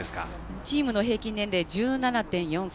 チームの平均年齢１７．４歳